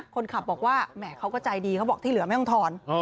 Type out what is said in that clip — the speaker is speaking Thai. คนขับบอกว่าแหมเขาก็ใจดีเขาบอกที่เหลือไม่ต้องถอน